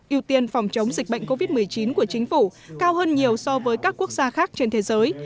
ưu tiên phòng chống dịch bệnh covid một mươi chín của chính phủ cao hơn nhiều so với các quốc gia khác trên thế giới